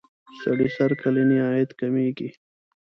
سړي سر کلنی عاید کمیږي.